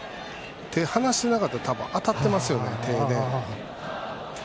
手を離していなかったら手に当たっていますよね。